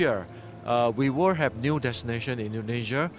yang berhubungan dengan indonesia